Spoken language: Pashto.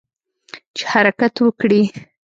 چې حرکت وکړي.